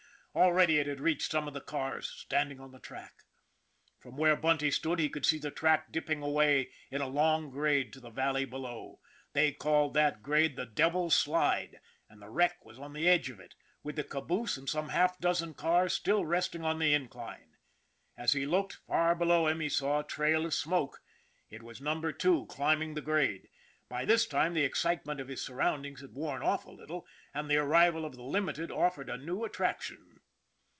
Already it had reached some of the cars standing on the track. From where Bunty stood he could see the track dip ping away in a long grade to the valley below. They called that grade the Devil's Slide, and the wreck was on the edge of it, with the caboose and some half dozen cars still resting on the incline. As he looked, far below him he saw a trail of smoke. It was Number Two climbing the grade. By this time the excitement of his surroundings had worn off a little, and the arrival of the Limited offered a new attraction.